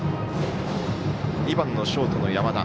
２番のショート、山田。